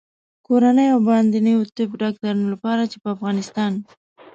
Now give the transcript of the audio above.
کورنیو او باندنیو طب ډاکټرانو لپاره چې په افغانستان